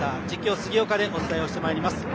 実況、杉岡でお伝えしてまいります。